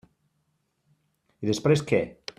I després què?